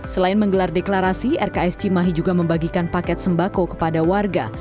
selain menggelar deklarasi rks cimahi juga membagikan paket sembako kepada warga